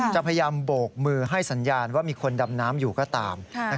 จะพยายามโบกมือให้สัญญาณว่ามีคนดำน้ำอยู่ก็ตาม